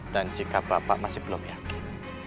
dan jika bapak masih belum yakin